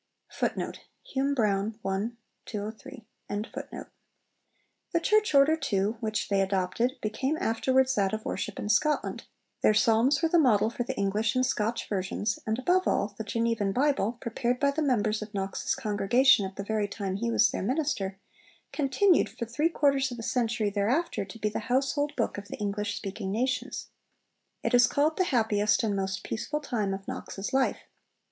' The Church Order, too, which they adopted became afterwards that of worship in Scotland; their Psalms were the model for the English and Scotch versions; and, above all, the Genevan Bible, prepared by the members of Knox's congregation at the very time he was their minister, continued for three quarters of a century thereafter to be 'the household book of the English speaking nations.' It is called the happiest and most peaceful time of Knox's life.